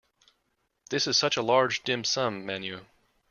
This is such a large dim sum menu.